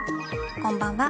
こんばんは。